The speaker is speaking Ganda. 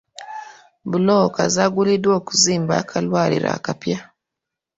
Bbulooka zaaguliddwa okuzimba akalwaliro akapya.